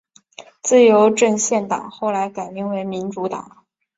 自由阵线党后来改名为民主党。